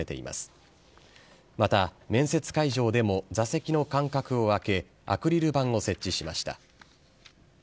また、面接会場でも座席の間隔を空け、アクリル板を設置しました。